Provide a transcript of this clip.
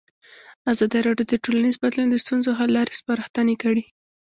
ازادي راډیو د ټولنیز بدلون د ستونزو حل لارې سپارښتنې کړي.